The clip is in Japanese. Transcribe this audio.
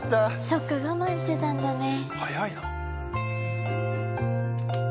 そっか我慢してたんだね。